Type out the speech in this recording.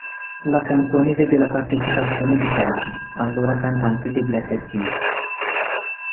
La canzone vede la partecipazione di Fergie, allora cantante dei Black Eyed Peas.